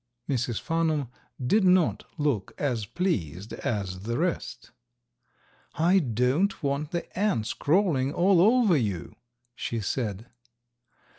Mrs. Farnum did not look as pleased as the rest. "I don't want the ants crawling all over you," she said.